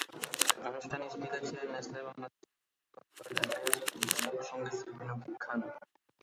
অনুষ্ঠানে স্পিকার ছিলেন নেসলে বাংলাদেশ লিমিটেডের করপোরেট অ্যাফেয়ার্স পরিচালক সংগীতশিল্পী নকিব খান।